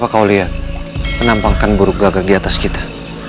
apa kau lihat penampakan burung gagak di atas kita